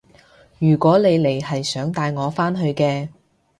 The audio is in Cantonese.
如果你嚟係想帶我返去嘅